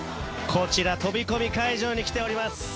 こちら、飛び込み会場に来ております。